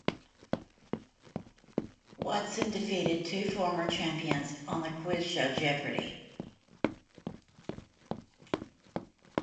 Watson defeated two former champions on the quiz show Jeopardy!